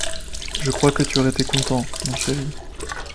Je crois que tu aurais été content, mon chéri.